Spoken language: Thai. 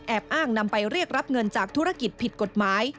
อ้างนำไปเรียกรับเงินจากธุรกิจผิดกฎหมาย